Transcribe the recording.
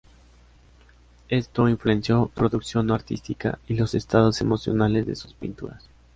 Esto influenció su producción artística y los estados emocionales de sus pinturas.